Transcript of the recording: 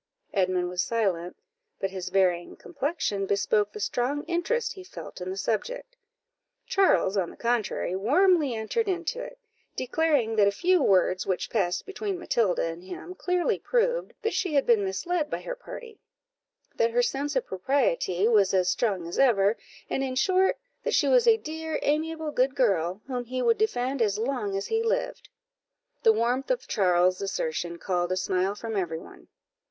Edmund was silent, but his varying complexion bespoke the strong interest he felt in the subject; Charles, on the contrary, warmly entered into it, declaring that a few words which passed between Matilda and him clearly proved that she had been misled by her party; that her sense of propriety was as strong as ever; and, in short, that she was a dear, amiable, good girl, whom he would defend as long as he lived. The warmth of Charles's assertion called a smile from every one.